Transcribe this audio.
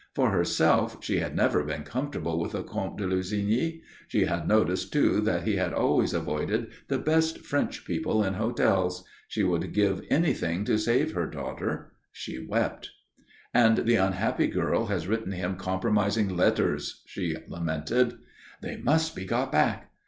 For herself, she had never been comfortable with the Comte de Lussigny. She had noticed too that he had always avoided the best French people in hotels. She would give anything to save her daughter. She wept. "And the unhappy girl has written him compromising letters," she lamented. "They must be got back."